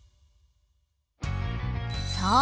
そう。